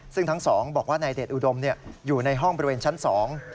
ซึ่งทั้งสองบอกว่านายเดชอุดมเนี่ยอยู่ในห้องบริเวณชั้นสอง